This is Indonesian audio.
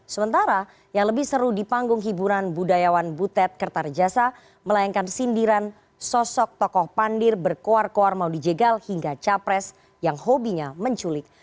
sementara yang lebih seru di panggung hiburan budayawan butet kertarejasa melayangkan sindiran sosok tokoh pandir berkuar kuar mau dijegal hingga capres yang hobinya menculik